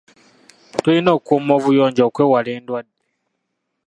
Tulina okukuuma obuyonjo okwewala endwadde.